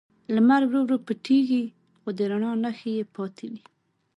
لمر ورو ورو پټیږي، خو د رڼا نښې یې پاتې وي.